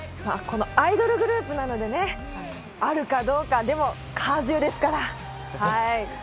アイドルグループなのでね、あるかどうか、でも、火１０ですから。